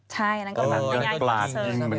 ใช่อันนั้นก็มาอย่างกว่าเสิร์ฟ